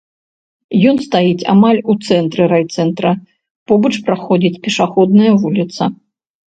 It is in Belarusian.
Ён стаіць амаль у цэнтры райцэнтра, побач праходзіць пешаходная вуліца.